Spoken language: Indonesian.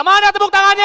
mana tebuk tangannya